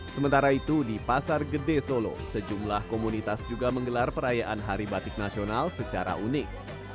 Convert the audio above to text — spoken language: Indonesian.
sementara itu di pasar gede solo sejumlah komunitas juga menggelar perayaan hari batik nasional secara unik